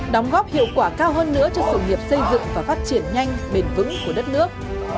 đóng góp hiệu quả cao hơn nữa cho sự nghiệp xây dựng và phát triển nhanh bền vững của đất nước